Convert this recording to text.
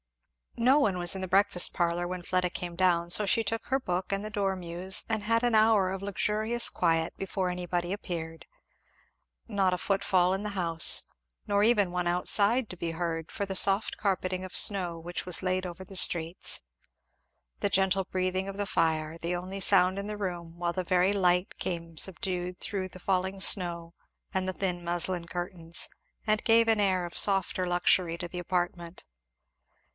No one was in the breakfast parlour when Fleda came down, so she took her book and the dormeuse and had an hour of luxurious quiet before anybody appeared. Not a foot fall in the house; nor even one outside to be heard, for the soft carpeting of snow which was laid over the streets. The gentle breathing of the fire the only sound in the room; while the very light came subdued through the falling snow and the thin muslin curtains, and gave an air of softer luxury to the apartment.